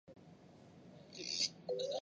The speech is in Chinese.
笋兰为兰科笋兰属下的一个种。